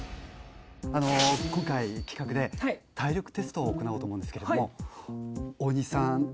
あの今回企画で体力テストを行おうと思うんですけども。